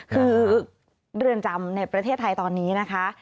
คือเรือนจำในประเทศไทยตอนนี้นะคะ